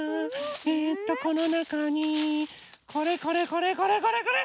えとこのなかにこれこれこれこれこれこれ！